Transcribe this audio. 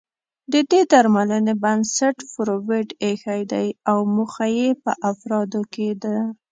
د دې درملنې بنسټ فرویډ اېښی دی او موخه يې په افرادو کې د